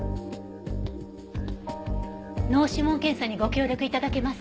脳指紋検査にご協力頂けますか？